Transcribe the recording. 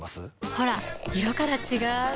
ほら色から違う！